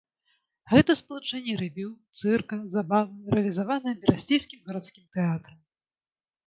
Гэта спалучэнне рэвю, цырка, забавы рэалізаванае берасцейскім гарадскім тэатрам.